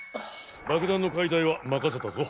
爆弾の解体は任せたぞ。